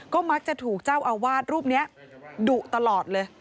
ก็มักจะถูกเจ้าอาวาสรูปนี้ดุตลอดเลย